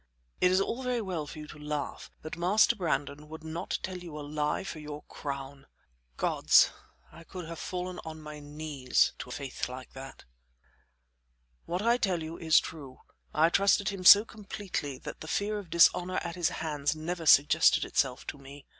"It is all very well for you to laugh, but Master Brandon would not tell you a lie for your crown " Gods! I could have fallen on my knees to a faith like that "What I tell you is true. I trusted him so completely that the fear of dishonor at his hands never suggested itself to me.